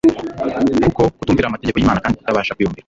kuko kutumviramategeko y Imana kandi kutabasha kuyumvira